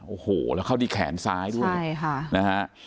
โอ้โหแล้วเข้าที่แขนซ้ายด้วยใช่ค่ะนะฮะ